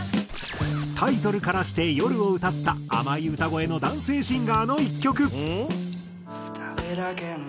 タイトルからして夜を歌った甘い歌声の男性シンガーの１曲。